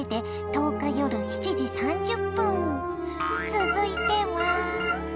続いては？